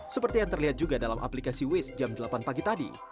seperti yang terlihat juga dalam aplikasi waze jam delapan pagi tadi